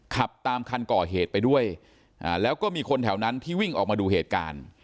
ขับตามคันก่อเหตุไปด้วยแล้วก็มีคนแถวนั้นที่วิ่งออกมาดูเหตุการณ์